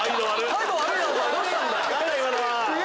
態度悪いな！